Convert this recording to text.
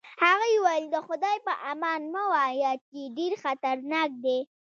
هغې وویل: د خدای په امان مه وایه، چې ډېر خطرناک دی.